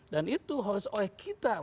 dan itu harus oleh kita